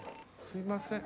すいません。